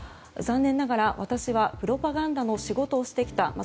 残念ながら私はプロパガンダの仕事をしてきた。